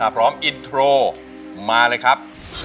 พร้อมอินโทรมาเลยครับ